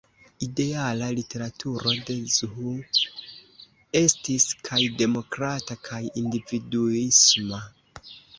Ideala literaturo de Zhou estis kaj demokrata kaj individuisma.